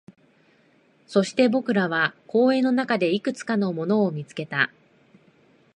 そして、僕らは公園の中でいくつかのものを見つけた